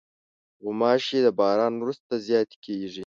غوماشې د باران وروسته زیاتې کېږي.